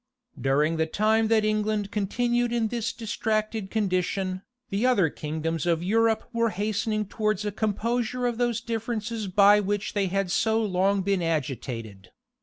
During the time that England continued in this distracted condition, the other kingdoms of Europe were hastening towards a composure of those differences by which they had so long been agitated.